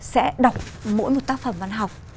sẽ đọc mỗi một tác phẩm văn học